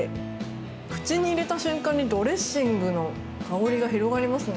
口に入れた瞬間にドレッシングの香りが広がりますね！